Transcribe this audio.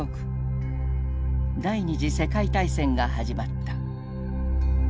第二次世界大戦が始まった。